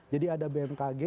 jadi ada bmkg